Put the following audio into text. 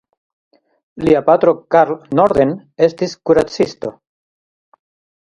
Lia patro Carl Norden estis kuracisto.